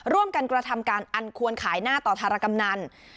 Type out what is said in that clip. ร่วมกันกระทำการอันควรขายหน้าต่อธารกำนัน